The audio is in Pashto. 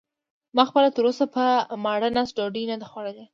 ما خپله تراوسه په ماړه نس ډوډۍ نه ده خوړلې.